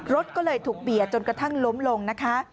รถก็เลยถูกเบียดจนกระทั่งล้มลงนะคะ